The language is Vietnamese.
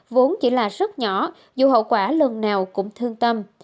vốn chỉ là rất nhỏ dù hậu quả lần nào cũng thương tâm